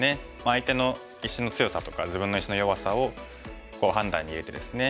相手の石の強さとか自分の石の弱さを判断に入れてですね